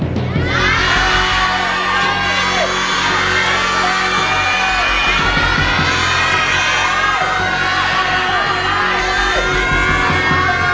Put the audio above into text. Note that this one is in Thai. ได้